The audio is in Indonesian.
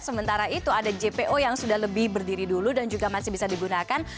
sementara itu ada jpo yang sudah lebih berdiri dulu dan juga masih bisa digunakan